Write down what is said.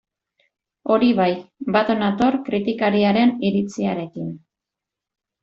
Hori bai, bat nator kritikariaren iritziarekin.